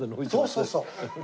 そうそうそう。